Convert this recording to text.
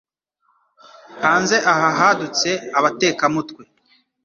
Hanze aha hadutse abatekamutwe